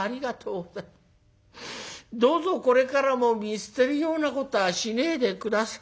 どうぞこれからも見捨てるようなことはしねえで下さい。